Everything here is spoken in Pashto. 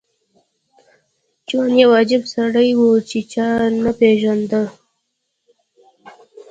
جون یو عجیب سړی و چې چا نه پېژانده